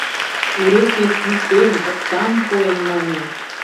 Уретньык «йӱктем, оксам пуэм» мане.